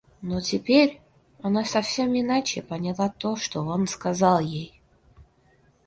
Но теперь она совсем иначе поняла то, что он сказал ей.